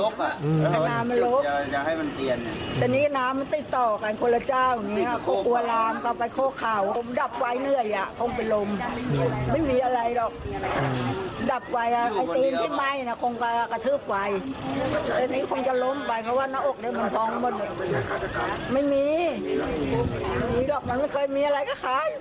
เคยมีอะไรก็ค้าอยู่คนดีสบาย